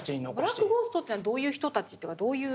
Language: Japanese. ブラック・ゴーストというのはどういう人たちというかどういう？